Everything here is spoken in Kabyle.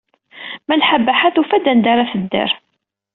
Malḥa Baḥa tufa-d anda ara tedder.